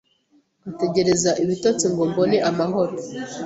nkategereza ibitotsi ngo mbone amahoro.